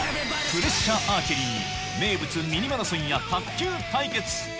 「プレッシャーアーチェリー」名物「ミニマラソン」や卓球対決。